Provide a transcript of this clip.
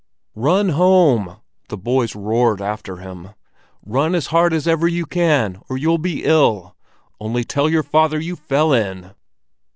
"Run home!" the boys roared after him. "Run as hard as ever you can, or you'll be ill! Only tell your father you fell in!"